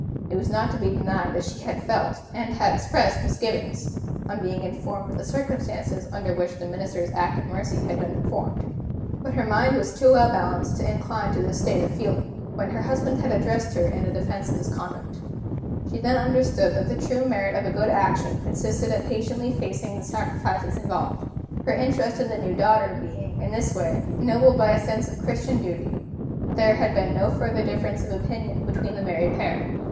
It was not to be denied that she had felt, and had expressed, misgivings, on being informed of the circumstances under which the Minister's act of mercy had been performed. But her mind was too well balanced to incline to this state of feeling, when her husband had addressed her in defense of his conduct. She then understood that the true merit of a good action consisted in patiently facing the sacrifices involved. Her interest in the new daughter being, in this way, ennobled by a sense of Christian duty, there had been no further difference of opinion between the married pair.